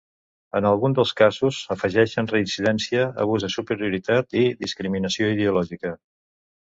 En alguns dels casos, afegeixen reincidència, abús de superioritat i discriminació ideològica.